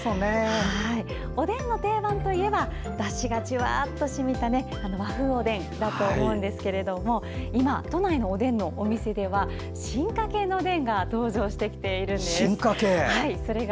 おでんの定番といえばだしがジュワッと染みた和風おでんだと思うんですが今、都内のおでんのお店では進化系のおでんが登場しているんです。